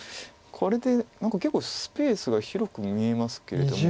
これで何か結構スペースが広く見えますけれども。